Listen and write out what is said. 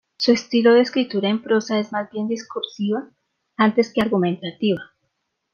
Su estilo de escritura en prosa es más bien discursiva, antes que argumentativa.